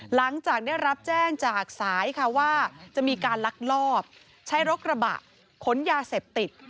หลังจากได้รับแจ้งจากสายค่ะว่าจะมีการลักลอบใช้รถกระบะขนยาเสพติด